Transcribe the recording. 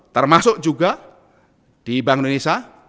termasuk juga di bank indonesia